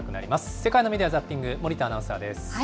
世界のメディア・ザッピング、森田アナウンサーです。